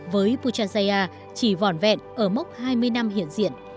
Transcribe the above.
với puchaya chỉ vòn vẹn ở mốc hai mươi năm hiện diện